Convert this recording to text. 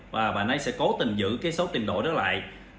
và bạn ấy sẽ cố tình giữ cái số tiền đổi đó lại